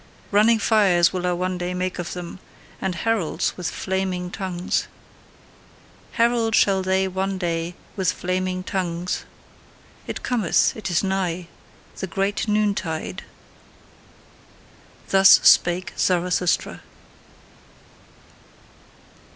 Running fires will I one day make of them, and heralds with flaming tongues: Herald shall they one day with flaming tongues: It cometh, it is nigh, THE GREAT NOONTIDE! Thus spake Zarathustra.